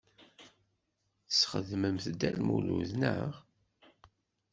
Tesxedmemt Dda Lmulud, naɣ?